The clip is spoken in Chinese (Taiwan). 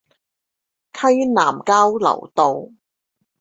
溪南交流道